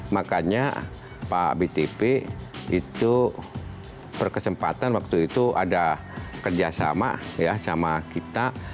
makanya pak btp itu berkesempatan waktu itu ada kerjasama ya sama kita